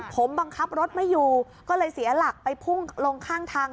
ผมบังคับรถไม่อยู่ก็เลยเสียหลักไปพุ่งลงข้างทาง